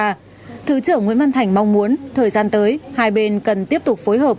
thứ trưởng nguyễn văn thành mong muốn thời gian tới hai bên cần tiếp tục phối hợp